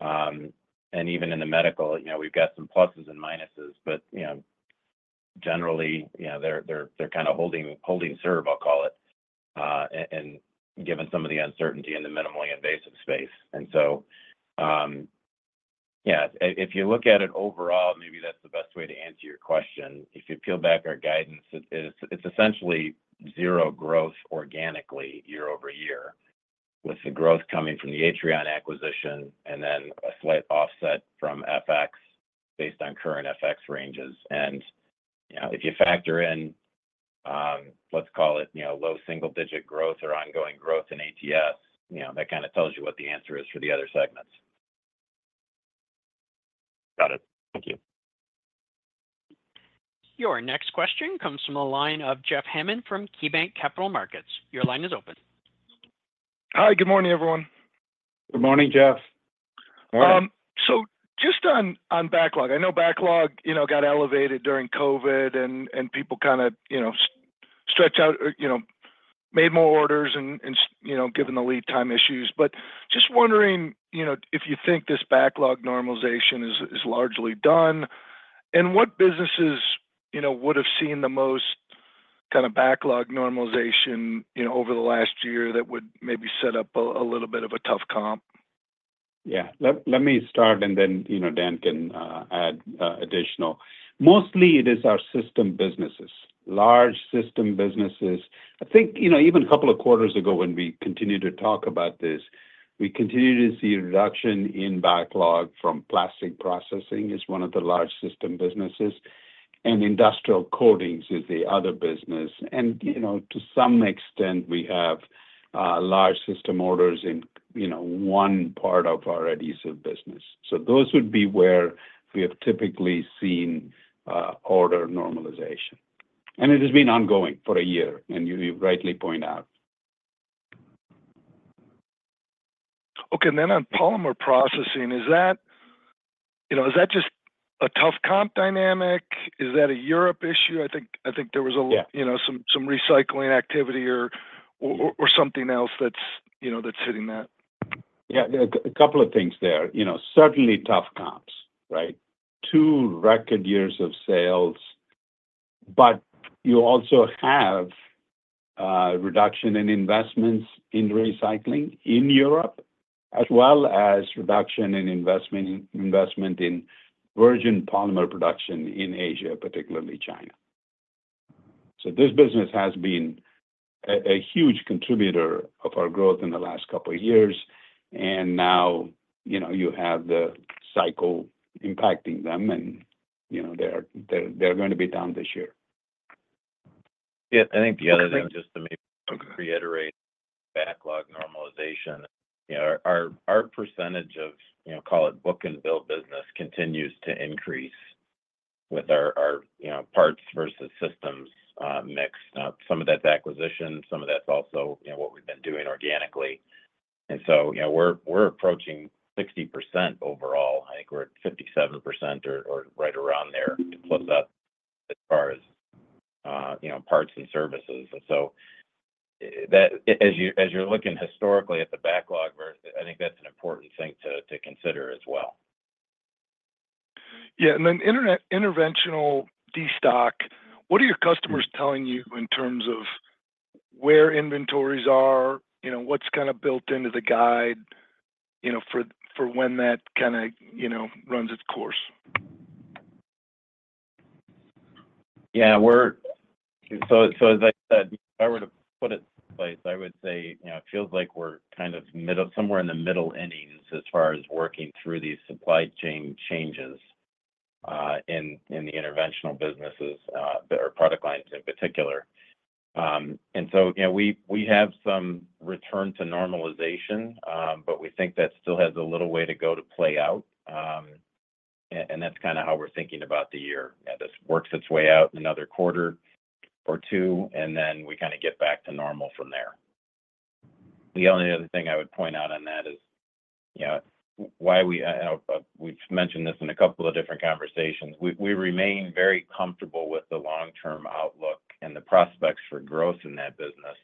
And even in the medical, we've got some pluses and minuses. But generally, they're kind of holding serve, I'll call it, and given some of the uncertainty in the minimally invasive space. And so, yeah, if you look at it overall, maybe that's the best way to answer your question. If you peel back our guidance, it's essentially zero growth organically year-over-year, with the growth coming from the Atrion acquisition and then a slight offset from FX based on current FX ranges, and if you factor in, let's call it low single-digit growth or ongoing growth in ATS, that kind of tells you what the answer is for the other segments. Got it. Thank you. Your next question comes from a line of Jeff Hammond from KeyBank Capital Markets. Your line is open. Hi. Good morning, everyone. Good morning, Jeff. Morning. So just on backlog, I know backlog got elevated during COVID, and people kind of stretched out, made more orders, and given the lead time issues. But just wondering if you think this backlog normalization is largely done, and what businesses would have seen the most kind of backlog normalization over the last year that would maybe set up a little bit of a tough comp? Yeah. Let me start, and then Dan can add additional. Mostly, it is our system businesses, large system businesses. I think even a couple of quarters ago when we continued to talk about this, we continued to see a reduction in backlog from plastic processing as one of the large system businesses. And industrial coatings is the other business. And to some extent, we have large system orders in one part of our adhesive business. So those would be where we have typically seen order normalization. And it has been ongoing for a year, and you rightly point out. Okay. And then on polymer processing, is that just a tough comp dynamic? Is that a Europe issue? I think there was some recycling activity or something else that's hitting that. Yeah. A couple of things there. Certainly tough comps, right? Two record years of sales. But you also have reduction in investments in recycling in Europe, as well as reduction in investment in virgin polymer production in Asia, particularly China. So this business has been a huge contributor of our growth in the last couple of years. And now you have the cycle impacting them, and they're going to be down this year. Yeah. I think the other thing, just to maybe reiterate backlog normalization, our percentage of, call it book and bill business, continues to increase with our parts versus systems mix. Some of that's acquisition. Some of that's also what we've been doing organically. And so we're approaching 60% overall. I think we're at 57% or right around there to close up as far as parts and services. And so as you're looking historically at the backlog, I think that's an important thing to consider as well. Yeah. And then interventional destock, what are your customers telling you in terms of where inventories are? What's kind of built into the guide for when that kind of runs its course? Yeah. So as I said, if I were to put it in place, I would say it feels like we're kind of somewhere in the middle innings as far as working through these supply chain changes in the interventional businesses or product lines in particular. And so we have some return to normalization, but we think that still has a little way to go to play out. That's kind of how we're thinking about the year. This works its way out another quarter or two, and then we kind of get back to normal from there. The only other thing I would point out on that is why we've mentioned this in a couple of different conversations. We remain very comfortable with the long-term outlook and the prospects for growth in that business.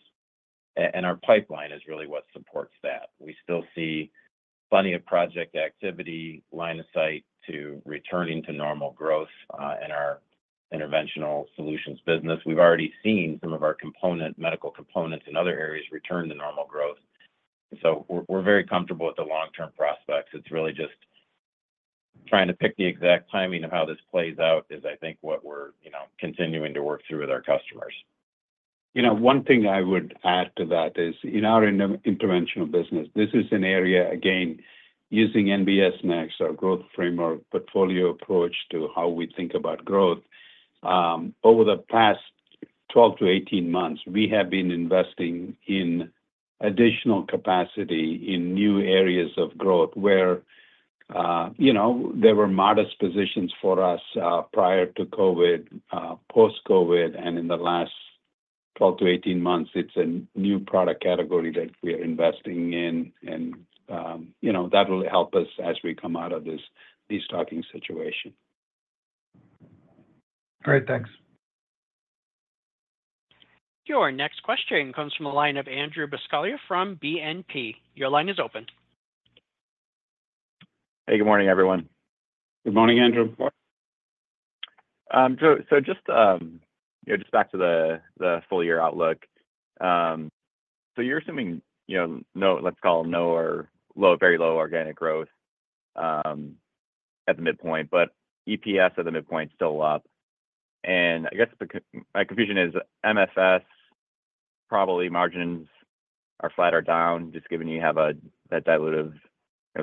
Our pipeline is really what supports that. We still see plenty of project activity line of sight to returning to normal growth in our interventional solutions business. We've already seen some of our medical components in other areas return to normal growth. We're very comfortable with the long-term prospects. It's really just trying to pick the exact timing of how this plays out, I think, what we're continuing to work through with our customers. One thing I would add to that is in our interventional business, this is an area, again, using NBS Next, our growth framework portfolio approach to how we think about growth. Over the past 12-18 months, we have been investing in additional capacity in new areas of growth where there were modest positions for us prior to COVID, post-COVID, and in the last 12-18 months, it's a new product category that we are investing in, and that will help us as we come out of this destocking situation. All right. Thanks. Your next question comes from a line of Andrew Buscaglia from BNP. Your line is open. Hey. Good morning, everyone. Good morning, Andrew. So just back to the full-year outlook. So you're assuming let's call it low, very low organic growth at the midpoint, but EPS at the midpoint is still up. And I guess my confusion is MFS. Probably margins are flat or down, just given you have that dilutive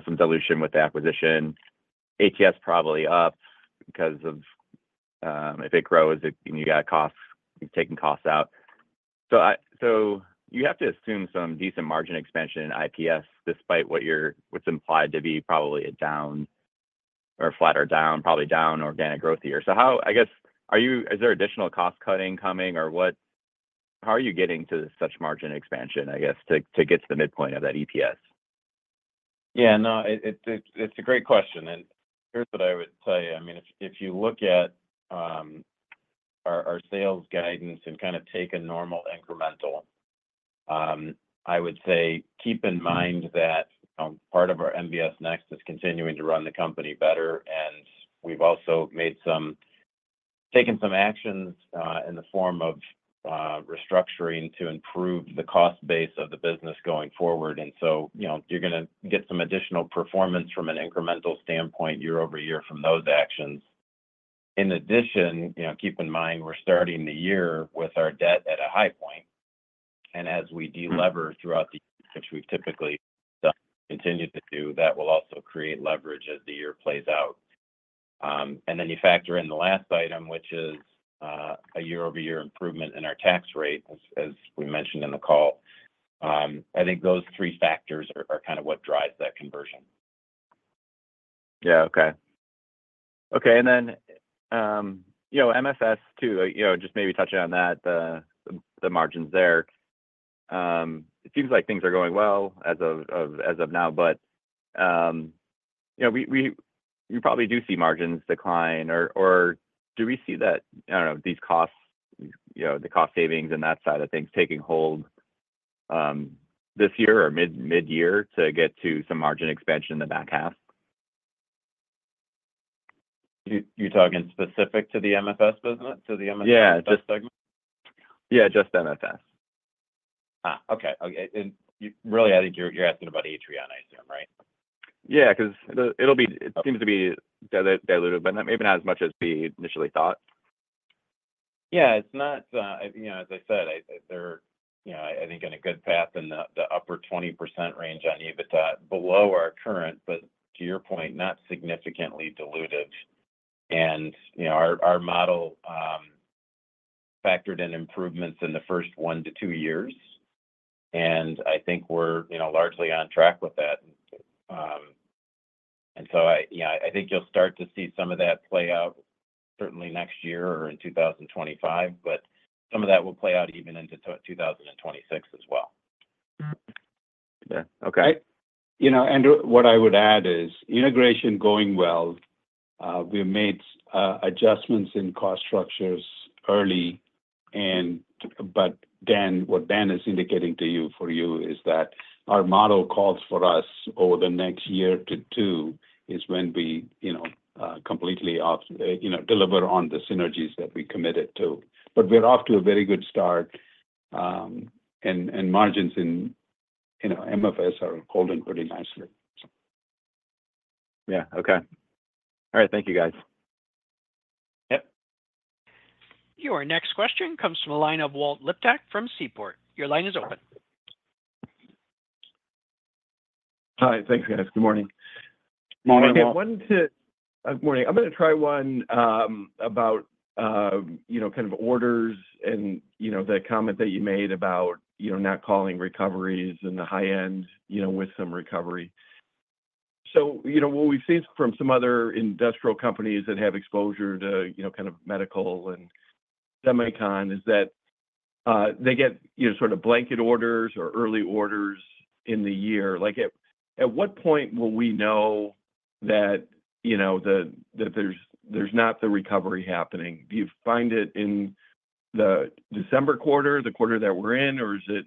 some dilution with the acquisition. ATS probably up because if it grows, you got costs taking costs out. So you have to assume some decent margin expansion in IPS despite what's implied to be probably a down or flat or down, probably down organic growth here. So I guess, is there additional cost cutting coming, or how are you getting to such margin expansion, I guess, to get to the midpoint of that EPS? Yeah. No, it's a great question. And here's what I would say. I mean, if you look at our sales guidance and kind of take a normal incremental, I would say keep in mind that part of our NBS Next is continuing to run the company better. And we've also taken some actions in the form of restructuring to improve the cost base of the business going forward. And so you're going to get some additional performance from an incremental standpoint year-over-year from those actions. In addition, keep in mind we're starting the year with our debt at a high point. And as we deleverage throughout the year, which we've typically continued to do, that will also create leverage as the year plays out. And then you factor in the last item, which is a year-over-year improvement in our tax rate, as we mentioned in the call. I think those three factors are kind of what drives that conversion. Yeah. Okay. Okay. And then MFS too, just maybe touching on that, the margins there. It seems like things are going well as of now, but we probably do see margins decline. Or do we see that, I don't know, these costs, the cost savings and that side of things taking hold this year or mid-year to get to some margin expansion in the back half? You're talking specific to the MFS business, to the MFS segment? Yeah. Just MFS. Okay. And really, I think you're asking about Atrion, I assume, right? Yeah. Because it seems to be diluted, but maybe not as much as we initially thought. Yeah. It's not, as I said, I think in a good path in the upper 20% range on EBITDA, below our current, but to your point, not significantly diluted. And our model factored in improvements in the first one to two years. And I think we're largely on track with that. And so I think you'll start to see some of that play out certainly next year or in 2025, but some of that will play out even into 2026 as well. Yeah. Okay. Andrew, what I would add is integration going well. We have made adjustments in cost structures early. But what Dan is indicating to you for you is that our model calls for us over the next year to two is when we completely deliver on the synergies that we committed to. But we're off to a very good start. And margins in MFS are holding pretty nicely. Yeah. Okay. All right. Thank you, guys. Yep. Your next question comes from a line of Walt Liptak from Seaport. Your line is open. Hi. Thanks, guys. Good morning. Good morning. I wanted to, good morning. I'm going to try one about kind of orders and the comment that you made about not calling recoveries and the high-end with some recovery. So what we've seen from some other industrial companies that have exposure to kind of medical and semiconductor is that they get sort of blanket orders or early orders in the year. At what point will we know that there's not the recovery happening? Do you find it in the December quarter, the quarter that we're in, or is it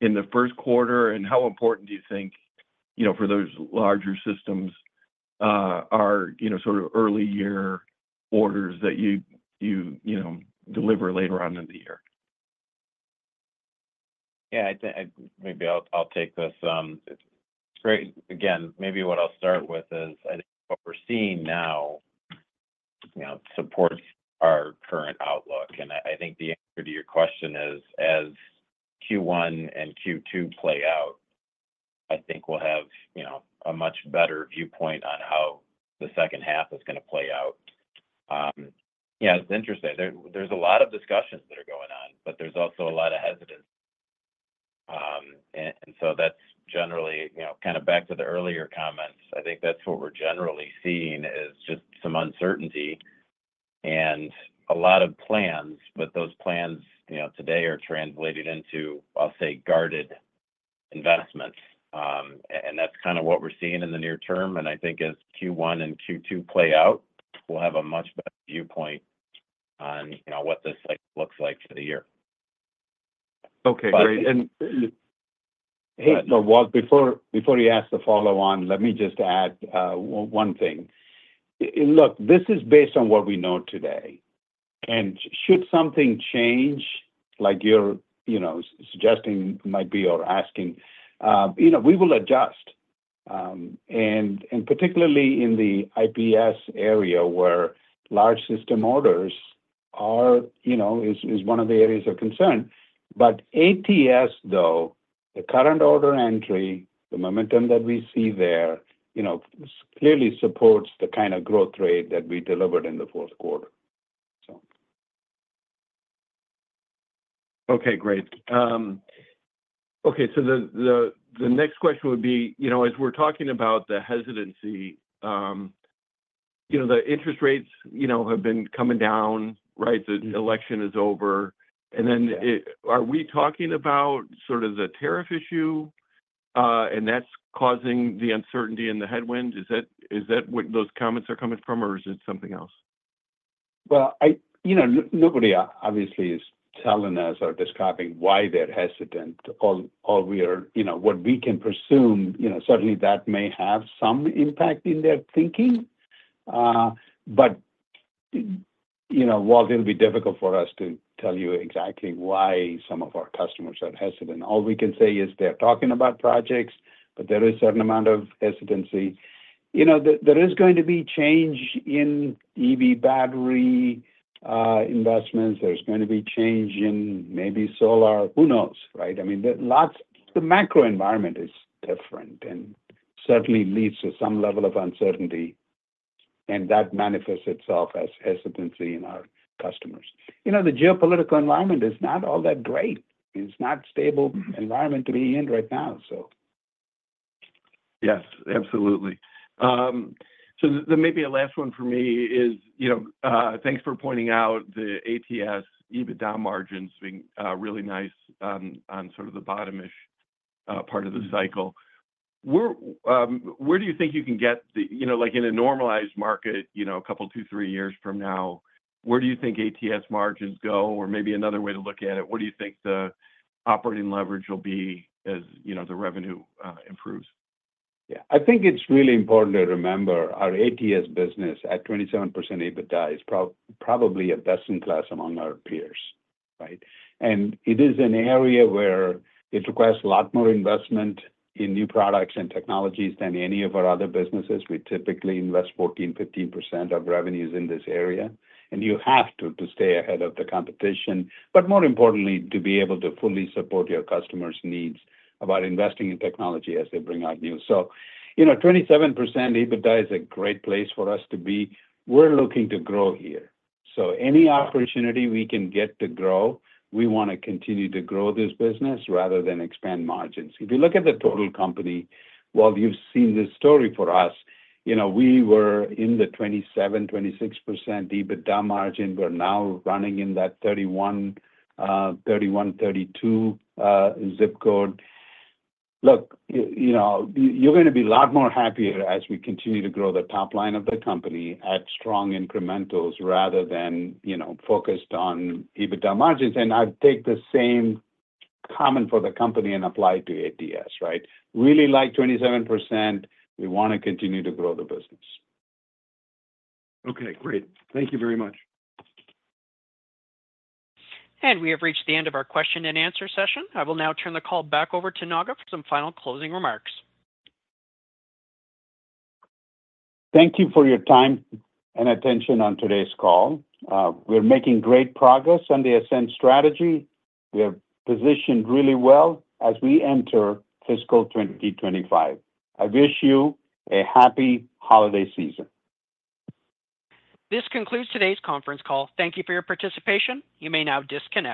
in the first quarter? And how important do you think for those larger systems are sort of early-year orders that you deliver later on in the year? Yeah. Maybe I'll take this. Again, maybe what I'll start with is I think what we're seeing now supports our current outlook. I think the answer to your question is, as Q1 and Q2 play out, I think we'll have a much better viewpoint on how the second half is going to play out. Yeah. It's interesting. There's a lot of discussions that are going on, but there's also a lot of hesitance. That's generally kind of back to the earlier comments. I think that's what we're generally seeing is just some uncertainty and a lot of plans, but those plans today are translated into, I'll say, guarded investments. That's kind of what we're seeing in the near term. I think as Q1 and Q2 play out, we'll have a much better viewpoint on what this looks like for the year. Okay. Great. Hey, Walt, before you ask the follow-on, let me just add one thing. Look, this is based on what we know today. And should something change, like you're suggesting might be or asking, we will adjust. And particularly in the IPS area where large system orders is one of the areas of concern. But ATS, though, the current order entry, the momentum that we see there clearly supports the kind of growth rate that we delivered in the fourth quarter, so. Okay. Great. Okay. So the next question would be, as we're talking about the hesitancy, the interest rates have been coming down, right? The election is over. And then are we talking about sort of the tariff issue, and that's causing the uncertainty and the headwind? Is that what those comments are coming from, or is it something else? Well, nobody obviously is telling us or describing why they're hesitant. All we are what we can presume, certainly that may have some impact in their thinking. But, Walt, it'll be difficult for us to tell you exactly why some of our customers are hesitant. All we can say is they're talking about projects, but there is a certain amount of hesitancy. There is going to be change in EV battery investments. There's going to be change in maybe solar. Who knows, right? I mean, the macro environment is different and certainly leads to some level of uncertainty. And that manifests itself as hesitancy in our customers. The geopolitical environment is not all that great. It's not a stable environment to be in right now, so. Yes. Absolutely. So maybe a last one for me is thanks for pointing out the ATS, EBITDA margins being really nice on sort of the bottom-ish part of the cycle. Where do you think you can get in a normalized market a couple, two, three years from now? Where do you think ATS margins go? Or maybe another way to look at it, what do you think the operating leverage will be as the revenue improves? Yeah. I think it's really important to remember our ATS business at 27% EBITDA is probably a best-in-class among our peers, right, and it is an area where it requires a lot more investment in new products and technologies than any of our other businesses. We typically invest 14%-15% of revenues in this area, and you have to stay ahead of the competition, but more importantly, to be able to fully support your customers' needs about investing in technology as they bring out new, so 27% EBITDA is a great place for us to be. We're looking to grow here, so any opportunity we can get to grow, we want to continue to grow this business rather than expand margins. If you look at the total company, while you've seen this story for us, we were in the 27%-26% EBITDA margin. We're now running in that 31%-32% zip code. Look, you're going to be a lot more happier as we continue to grow the top line of the company at strong incrementals rather than focused on EBITDA margins. And I'd take the same comment for the company and apply it to ATS, right? Really like 27%. We want to continue to grow the business. Okay. Great. Thank you very much. And we have reached the end of our question-and-answer session. I will now turn the call back over to Naga for some final closing remarks. Thank you for your time and attention on today's call. We're making great progress on the Ascend Strategy. We are positioned really well as we enter fiscal 2025. I wish you a happy holiday season. This concludes today's conference call. Thank you for your participation. You may now disconnect.